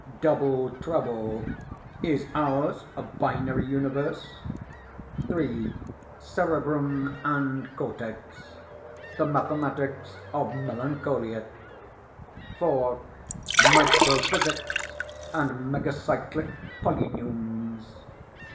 Double Trouble Is Ours a Binary Universe? 3. Cerebrum and Cortex the Mathematics of Melancholia. 4. Microphysics and Megacyclic Polyneums.